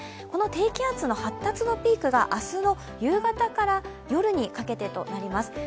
この低気圧の発達のピークが明日の夕方から夜にかけてとなります。